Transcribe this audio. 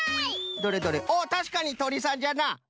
どれどれおおたしかにトリさんじゃな！